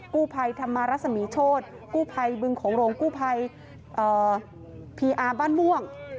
กู้ภัยธรรมารัศมีโชธกู้ภัยบึงของโรงกู้ภัยพีอาร์บ้านม่วง